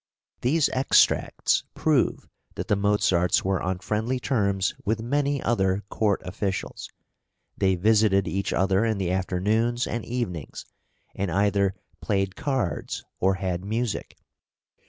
These extracts prove that the Mozarts were on friendly terms with many other court officials. They visited each other in the afternoons and evenings, and either played cards or had music.